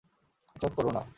এটা করো না।